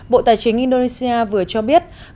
bộ tài chính indonesia vừa cho biết